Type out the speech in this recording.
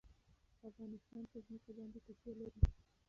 افغانستان په ځمکه باندې تکیه لري.